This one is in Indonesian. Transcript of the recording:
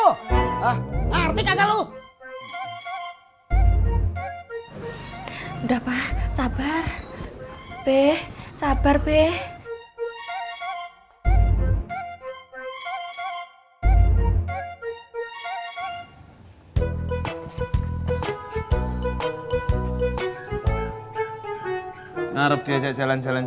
hah ngerti kagak lo